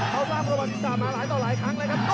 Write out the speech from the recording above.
เขาสร้างประวัติศาสตร์มาหลายต่อหลายครั้งแล้วครับ